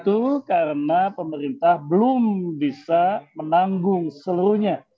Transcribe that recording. itu karena pemerintah belum bisa menanggung seluruhnya